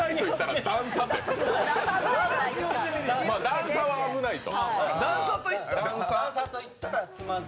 段差は危ないと。